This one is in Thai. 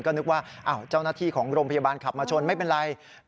ก็นึกว่าเจ้าหน้าที่ของโรงพยาบาลขับมาชนไม่เป็นไร